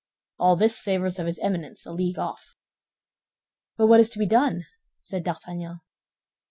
All this savors of his Eminence, a league off." "But what is to be done?" said D'Artagnan.